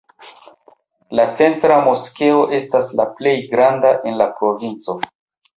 La centra moskeo estas la plej granda en la provinco.